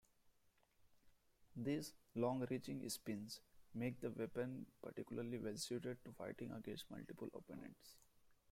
These long-reaching spins make the weapon particularly well-suited to fighting against multiple opponents.